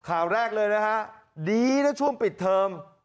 ข่าวแรกดีตอนปิดเทมฯ